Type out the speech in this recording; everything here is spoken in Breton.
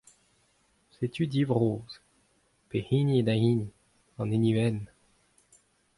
Setu div vrozh. Pehini eo da hini ? An hini wenn.